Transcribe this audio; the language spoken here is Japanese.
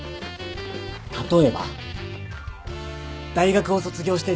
例えば大学を卒業して１０年。